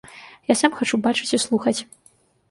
Я сам хачу бачыць і слухаць.